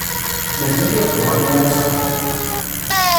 Mazal ur d-uɣalen ara s axxam.